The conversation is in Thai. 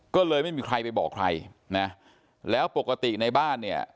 ก็เลยไม่มีใครไปบอกใครนะแล้วปกติในบ้านเนี่ย